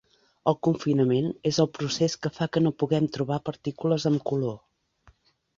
El confinament és el procés que fa que no puguem trobar partícules amb color.